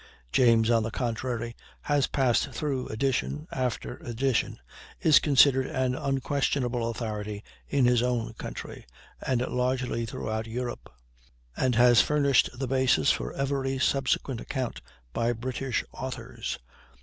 James, on the contrary, has passed through edition after edition, is considered as unquestionable authority in his own country, and largely throughout Europe, and has furnished the basis for every subsequent account by British authors.